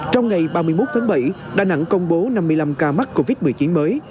trong ngày ba mươi một tháng bảy đà nẵng công bố năm mươi năm ca mắc covid một mươi chín mới